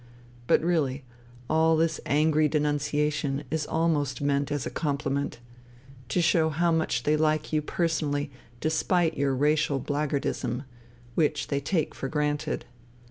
But really all this angry denunciation is almost meant as a compliment : to show how much they like you personally despite your racial blackguardism, which they take for granted.